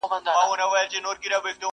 لا په اورونو کي تازه پاته ده،